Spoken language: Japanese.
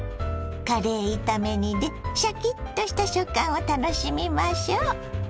カレー炒め煮でシャキッとした食感を楽しみましょ。